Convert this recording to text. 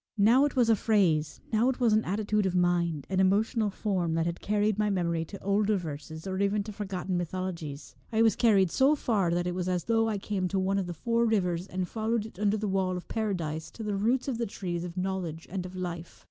Now it was a phrase, now it was an attitude of mind, an emotional form, that had carried my memory to older verses, or even to forgotten mythologies. I was carried so far that it was as though I came to one of the four rivers, and followed it under the wall of Paradise to the roots of the trees of knowledge and of life.